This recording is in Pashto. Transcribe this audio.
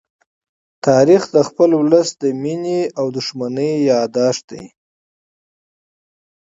تاریخ د خپل ولس د مینې او دښمنۍ يادښت دی.